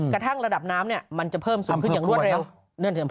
กระทั่งระดับน้ำมันจะเพิ่มสูงขึ้นอย่างรวดเร็ว